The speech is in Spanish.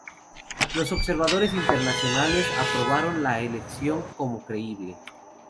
Los observadores internacionales aprobaron la elección como "creíble".